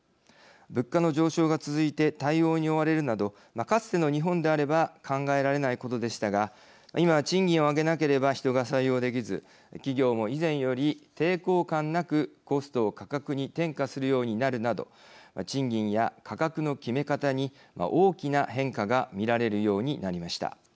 物価の上昇が続いて対応に追われるなどかつての日本であれば考えられないことでしたが今は賃金を上げなければ人が採用できず企業も以前より抵抗感なくコストを価格に転嫁するようになるなど賃金や価格の決め方に大きな変化が見られるようになりました。